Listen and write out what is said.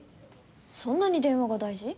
そんなに電話が大事？